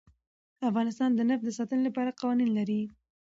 افغانستان د نفت د ساتنې لپاره قوانین لري.